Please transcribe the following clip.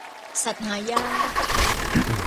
สัตว์หายาก